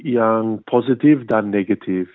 yang positif dan negatif